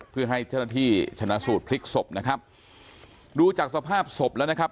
เพื่อให้เจ้าหน้าที่ชนะสูตรพลิกศพนะครับดูจากสภาพศพแล้วนะครับ